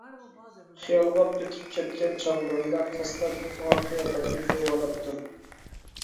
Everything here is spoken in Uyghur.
خىيالغا پېتىپ كەتكەن چاغلىرىمدا قەستەن ئۇخلىغان قىياپەتكە كىرىۋالاتتىم.